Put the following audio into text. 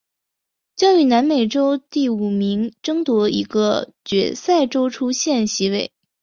将与南美洲第五名争夺一个决赛周出线席位。